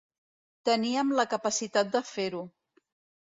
Teníem la capacitat de fer-ho.